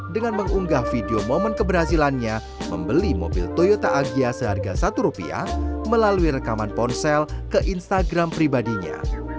dengan mengunggah video momen keberhasilannya membeli mobil toyota agia seharga satu rupiah melalui rekaman ponsel ke instagram pribadinya